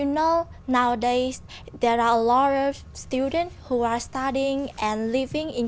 như các bạn đã thấy trong tin